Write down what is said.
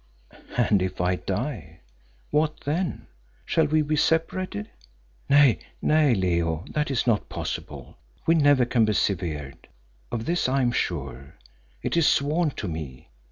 "And if I die, what then? Shall we be separated?" "Nay, nay, Leo, that is not possible. We never can be severed, of this I am sure; it is sworn to me.